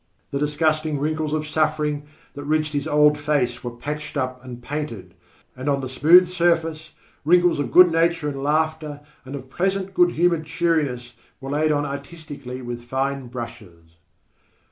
The disgusting wrinkles of suffering that ridged his old face were patched up and painted, and on the smooth surface, wrinkles of good nature and laughter, and of pleasant, good humoured cheeriness, were laid on artistically with fine brushes.